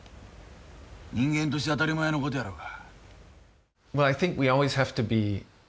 人間として当たり前のことやろが。